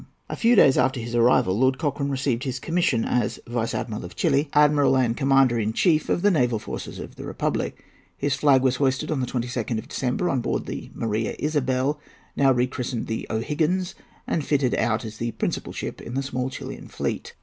A few days after his arrival Lord Cochrane received his commission as "Vice Admiral of Chili, Admiral, and Commander in Chief of the Naval Forces of the Republic." His flag was hoisted, on the 22nd of December, on board the Maria Isabel, now rechristened the O'Higgins, and fitted out as the principal ship in the small Chilian fleet.